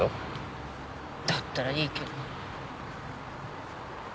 だったらいいけど。